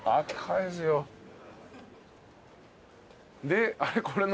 であれ？